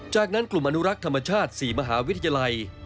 จากนั้นกลุ่มอนุรักษ์ธรรมชาติ๔มหาวิทยาลัย